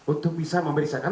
untuk bisa memberi saksikan